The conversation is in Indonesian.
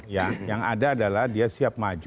ya yang ada adalah dia siap maju